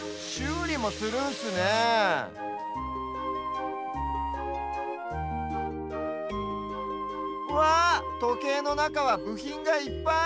うりもするんすねえわっとけいのなかはぶひんがいっぱい！